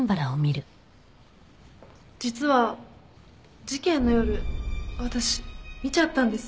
実は事件の夜私見ちゃったんです。